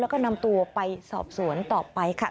แล้วก็นำตัวไปสอบสวนต่อไปค่ะ